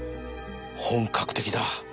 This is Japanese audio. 本格的だ。